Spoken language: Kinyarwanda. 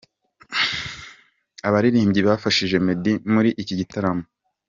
Abaririmbyi bafashije Meddy muri iki gitaramo.